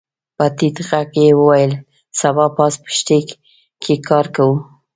په ټيټ غږ يې وويل سبا پاس پښتې کې کار کوو.